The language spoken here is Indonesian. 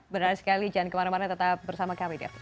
benar sekali jangan kemana mana tetap bersama kami di after sepuluh